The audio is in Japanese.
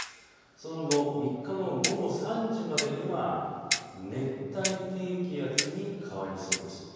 その後、３日の午後３時までには熱帯低気圧に変わりそうです。